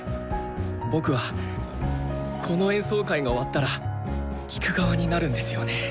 僕はこの演奏会が終わったら「聴く側」になるんですよね。